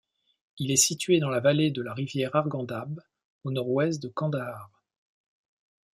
Il est situé dans la vallée de la rivière Arghandab au nord-ouest de Kandahar.